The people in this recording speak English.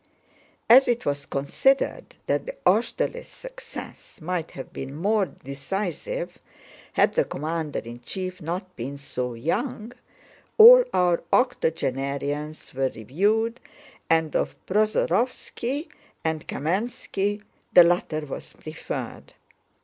As it was considered that the Austerlitz success might have been more decisive had the commander in chief not been so young, all our octogenarians were reviewed, and of Prozoróvski and Kámenski the latter was preferred.